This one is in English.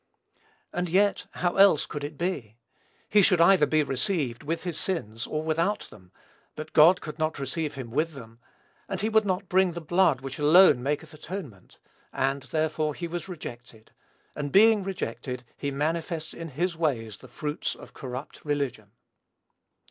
And yet, how else could it be? He should either be received with his sins, or without them; but God could not receive him with them, and he would not bring the blood which alone maketh atonement; and, therefore, he was rejected, and, being rejected, he manifests in his ways the fruits of corrupt religion.